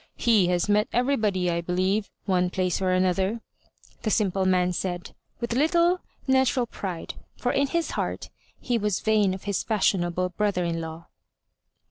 Ms has met everybody, I believe, one place or auother," the simple man said, with a little natu ral pride; for in his heart he was vain of his fashionable brother in law.